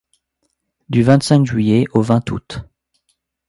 Du vingt-cinq juillet au vingt août —